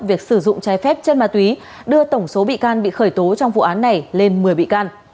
việc sử dụng trái phép chân ma túy đưa tổng số bị can bị khởi tố trong vụ án này lên một mươi bị can